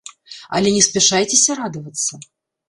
Але не спяшайцеся радавацца.